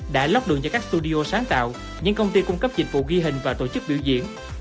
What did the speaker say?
đã lắp đường cho các studio sáng tạo những công ty cung cấp dịch vụ ghi hình và tổ chức biểu diễn